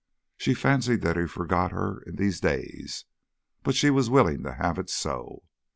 She fancied that he forgot her in these days, but she was willing to have it so.